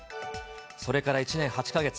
それから１年８か月。